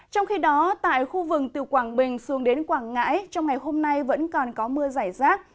trong khi đó tại khu vực từ quảng bình xuống đến quảng ngãi trong ngày hôm nay vẫn còn có mưa rải rác